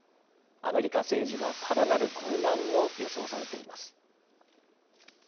アメリカ政治はさらなる混乱も予想されています。